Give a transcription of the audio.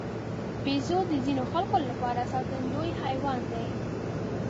بیزو د ځینو خلکو لپاره ساتندوی حیوان دی.